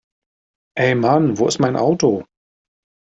Ey Mann, wo ist mein Auto?